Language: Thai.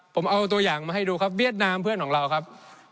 ผมเอาตัวอย่างมาให้ดูครับเวียดนามเพื่อนของเราครับ